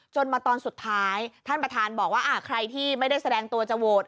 มาตอนสุดท้ายท่านประธานบอกว่าใครที่ไม่ได้แสดงตัวจะโหวต